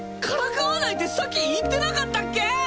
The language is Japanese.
からかわないってさっき言ってなかったっけ